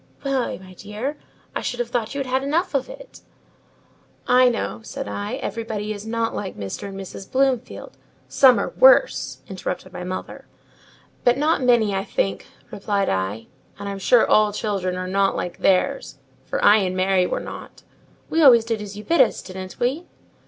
"Why, my dear, I should have thought you had had enough of it." "I know," said I, "everybody is not like Mr. and Mrs. Bloomfield—" "Some are worse," interrupted my mother. "But not many, I think," replied I, "and I'm sure all children are not like theirs; for I and Mary were not: we always did as you bid us, didn't we?"